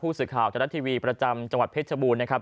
ผู้สึกข่าวจากราชทีวีประจำจังหวัดเพชรบูลนะครับ